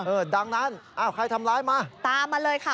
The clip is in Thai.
ดังนั้นอ้าวใครทำร้ายมาตามมาเลยค่ะ